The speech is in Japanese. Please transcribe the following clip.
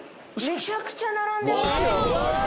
めちゃくちゃ並んでますよ